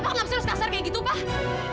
pak pak tak harus kasar kayak gitu pak